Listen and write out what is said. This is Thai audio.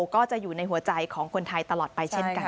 ก็จะอยู่ในหัวใจของคนไทยตลอดไปเช่นกัน